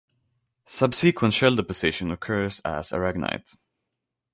Subsequent shell deposition occurs as aragonite.